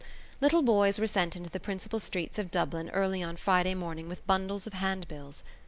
Little boys were sent out into the principal streets of Dublin early on Friday morning with bundles of handbills.